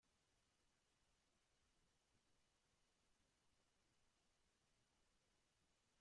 Incluso llegó a pretender que se destruyeran todas sus películas conservadas.